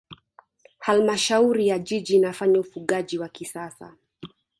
halmashauri ya jiji inafanya ufugaji wa kisasa